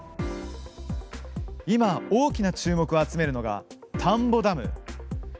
今、大きな注目を集めるのが田んぼダムです。